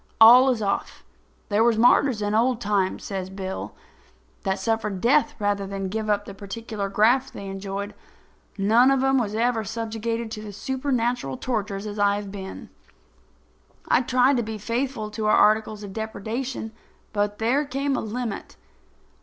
All is off. There was martyrs in old times," goes on Bill, "that suffered death rather than give up the particular graft they enjoyed. None of 'em ever was subjugated to such supernatural tortures as I have been. I tried to be faithful to our articles of depredation; but there came a limit."